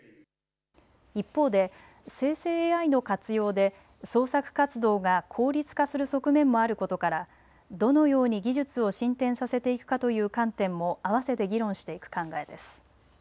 一方で生成ＡＩの活用で創作活動が効率化する側面もあることからどのように技術を進展させていくかという観点も併せて議論していく考えです。